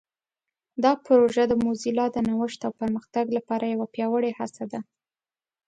دا پروژه د موزیلا د نوښت او پرمختګ لپاره یوه پیاوړې هڅه ده.